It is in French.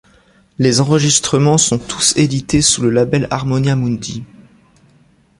Les enregistrements sont tous édités sous le label Harmonia Mundi.